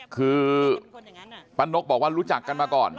คือป้านกบอกว่ารู้จักกันมาก่อน